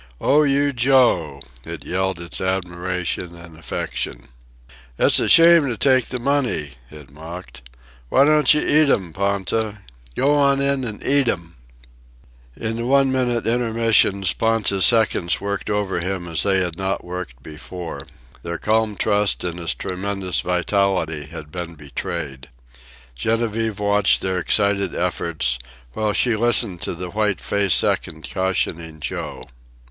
"Oh, you, Joe!" it yelled its admiration and affection. "It's a shame to take the money!" it mocked. "Why don't you eat 'm, Ponta? Go on in an' eat 'm!" In the one minute intermissions Ponta's seconds worked over him as they had not worked before. Their calm trust in his tremendous vitality had been betrayed. Genevieve watched their excited efforts, while she listened to the white faced second cautioning Joe.